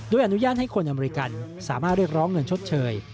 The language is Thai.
อนุญาตให้คนอเมริกันสามารถเรียกร้องเงินชดเชย